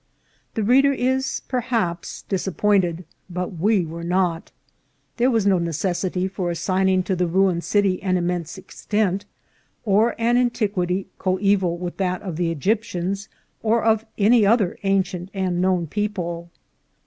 The reader is perhaps disappointed, but we were not. There was no necessity for assigning to the ruined city an immense extent, or an antiquity coeval with that of the Egyptians or of any other ancient and known peo ple.